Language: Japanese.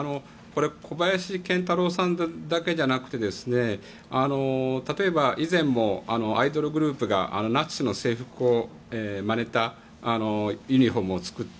小林賢太郎さんだけじゃなくて例えば以前もアイドルグループがナチスの制服をまねたユニホームを作って